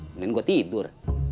mending gue tidur